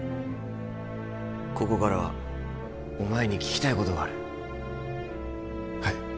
ここからはお前に聞きたいことがあるはい